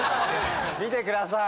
観てください。